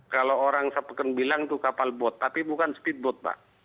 kalau orang sepekan bilang itu kapal bot tapi bukan speedboat pak